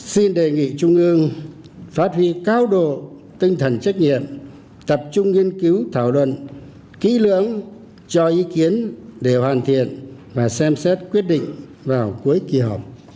xin đề nghị trung ương phát huy cao độ tinh thần trách nhiệm tập trung nghiên cứu thảo luận kỹ lưỡng cho ý kiến để hoàn thiện và xem xét quyết định